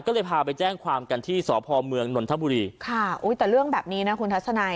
ก็เลยพาไปแจ้งความกันที่สพเมืองนนทบุรีค่ะอุ้ยแต่เรื่องแบบนี้นะคุณทัศนัย